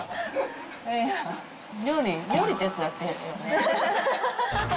料理、料理手伝って。